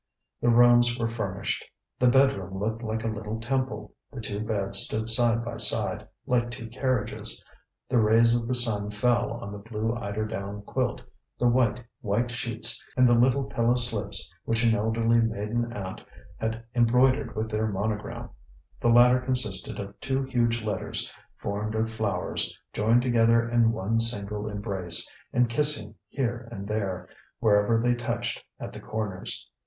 The rooms were furnished. The bed room looked like a little temple. The two beds stood side by side, like two carriages. The rays of the sun fell on the blue eiderdown quilt, the white, white sheets and the little pillow slips which an elderly maiden aunt had embroidered with their monogram; the latter consisted of two huge letters, formed of flowers, joined together in one single embrace, and kissing here and there, wherever they touched, at the corners.